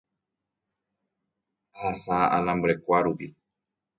Ahasa alambre-kuárupi